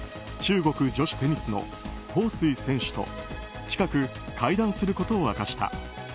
中国女子テニスのホウ・スイ選手と近く、会談することを明かした。